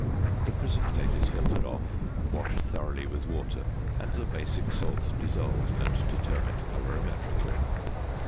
The precipitate is filtered off, washed thoroughly with water, and the basic salt dissolved and determined colorimetrically.